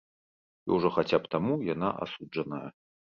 І ўжо хаця б таму яна асуджаная.